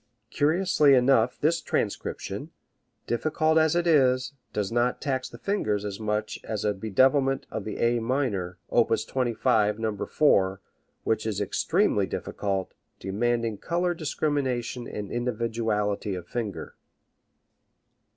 Curiously enough this transcription, difficult as it is, does not tax the fingers as much as a bedevilment of the A minor, op. 25, No. 4, which is extremely difficult, demanding color discrimination and individuality of finger.